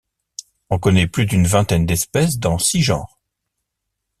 On connaît plus d'une vingtaine d'espèces dans six genres.